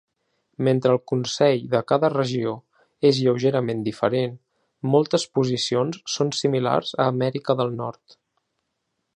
Mentre el consell de cada regió és lleugerament diferent, moltes posicions són similars a Amèrica del Nord.